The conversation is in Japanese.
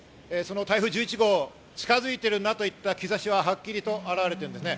台風１１号が近づいてるなといった兆しははっきりと表れています。